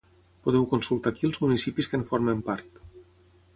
Podeu consultar aquí els municipis que en formen part.